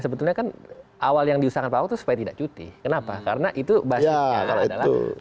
sebetulnya kan awal yang diusahakan pak ahok itu supaya tidak cuti kenapa karena itu basisnya kalau dalam